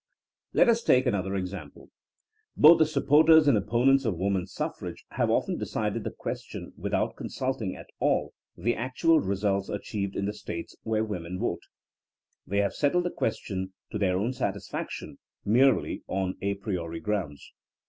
Let us take another example. Both the sup porters and opponents of woman suffrage have often decided the question without consulting at all the actual results achieved in the States where women vote. They have settled the ques tion to their own satisfaction merely on a priori grounds.